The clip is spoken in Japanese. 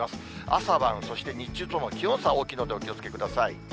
朝晩、そして日中との気温差大きいのでお気をつけください。